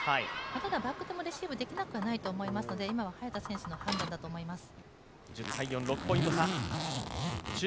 ただバックもレシーブができなくはないと思いますので今は早田選手の判断だと思います。